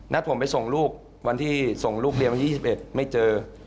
ผมไปส่งลูกวันที่ส่งลูกเรียนวันที่๒๑ไม่เจอ